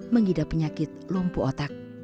mengidap penyakit lumpuh otak